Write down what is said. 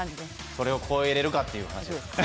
それを超えられるかという話ですね。